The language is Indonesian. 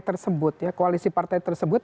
tersebut koalisi partai tersebut